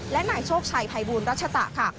และนายโชคชัยภัยบูรณ์รัชตะ